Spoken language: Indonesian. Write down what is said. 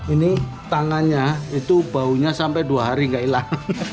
ini tangannya itu baunya sampai dua hari gak hilang